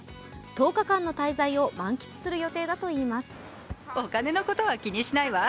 １０日間の滞在を満喫する予定だといいます。